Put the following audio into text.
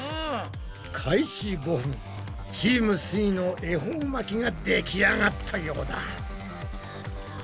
開始５分チームすイの恵方巻きができあがったようだ。